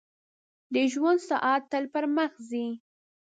• د ژوند ساعت تل پر مخ ځي.